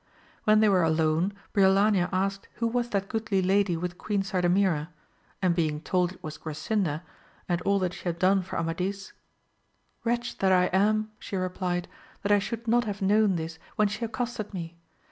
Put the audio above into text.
When they were alone Briolania asked who was ^that goodly lady with Queen Sardamira, and being told it was Grasinda and all that she had done for Amadis, Wretch that I am, she replied, that I should not have known this when she accosted me